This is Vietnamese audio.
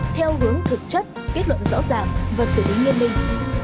theo hướng thực chất kết luận rõ ràng và xử lý nguyên linh